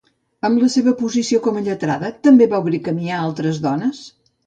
Amb la seva posició com a lletrada, també va obrir camí a altres dones?